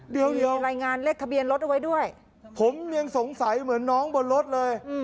เดี๋ยวรายงานเลขทะเบียนรถเอาไว้ด้วยผมยังสงสัยเหมือนน้องบนรถเลย